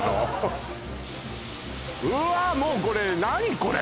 うわっもうこれ何これ？